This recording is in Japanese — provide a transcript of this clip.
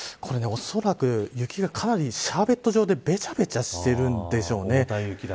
おそらく雪がかなりシャーベット状でべちゃべちゃしているんでしょうね。